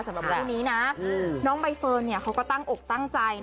สำหรับที่นี่นะน้องแบร์ฟิล์นก็ตั้งอกตั้งใจ